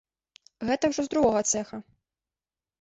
Гэта ўжо з другога цэха.